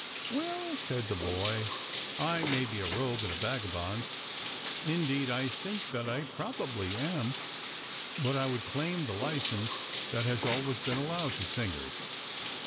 " Well," said the boy, " I may be a rogue and a vagabond. Indeed, I think that I probably am ; but I would claim the license that has always been allowed to singers."